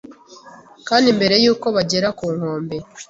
Kandi mbere yuko bagera ku nkombe